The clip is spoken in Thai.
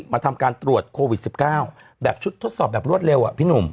มาทำการตรวจโควิด๑๙แบบชุดทดสอบแบบรวดเร็วอ่ะพี่หนุ่ม